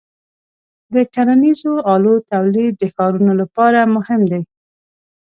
د کرنیزو آلو تولید د ښارونو لپاره مهم دی.